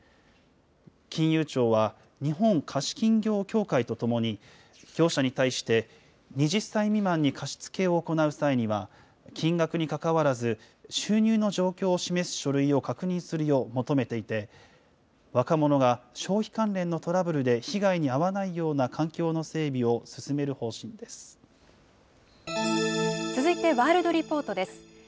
金融庁は日本貸金業協会とともに、業者に対して、２０歳未満に貸し付けを行う際には、金額にかかわらず収入の状況を示す書類を確認するよう求めていて、若者が消費関連のトラブルで被害に遭わないような環境の整備を進続いてワールドリポートです。